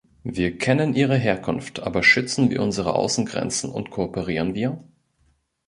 Wir kennen ihre Herkunft, aber schützen wir unsere Außengrenzen und kooperieren wir?